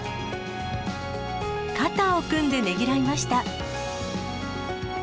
肩を組んでねぎらいました。